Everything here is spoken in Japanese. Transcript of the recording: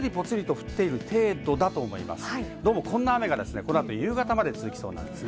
こんな雨がこの後、夕方まで続きそうです。